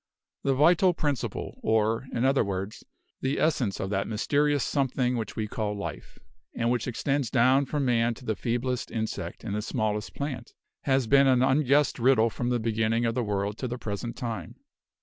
The Vital Principle or, in other words, the essence of that mysterious Something which we call Life, and which extends down from Man to the feeblest insect and the smallest plant has been an unguessed riddle from the beginning of the world to the present time.